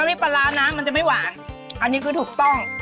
อันนี้ปลาร้าน้ำมันจะไม่หวานอันนี้คือถูกต้อง